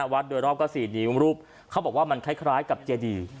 วัดโดยรอบก็๔นิ้วรูปเขาบอกว่ามันคล้ายกับเจดี